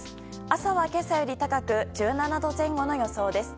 朝は、今朝より高く１７度前後の予想です。